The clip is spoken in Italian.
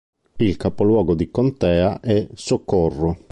Il capoluogo di contea è Socorro.